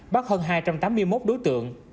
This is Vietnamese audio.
bắt hơn hai trăm tám mươi một đối tượng